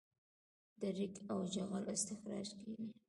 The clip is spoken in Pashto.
د ریګ او جغل استخراج کیږي